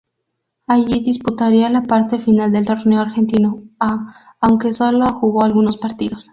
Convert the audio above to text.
Allí disputaría la parte final del Torneo Argentino A aunque sólo jugó algunos partidos.